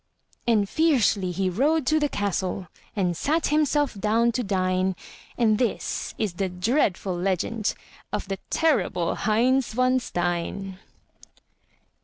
And fiercely he rode to the castle And sat himself down to dine; And this is the dreadful legend Of the terrible Heinz von Stein.